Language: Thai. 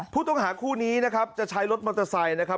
ผู้ต้องหาคู่นี้นะครับจะใช้รถมอเตอร์ไซค์นะครับ